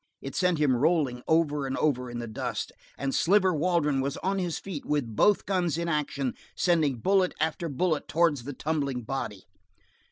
It sent him rolling over and over in the dust, and Sliver Waldron was on his feet with both guns in action, sending bullet after bullet towards the tumbling body.